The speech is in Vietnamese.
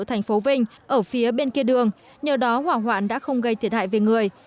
thành phố vinh ở phía bên kia đường nhờ đó hỏa hoạn đã không gây thiệt hại về người